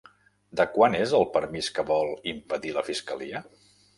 De quant és el permís que vol impedir la fiscalia?